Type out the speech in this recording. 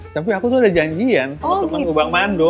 tapi aku tuh ada janjian temanku bang mando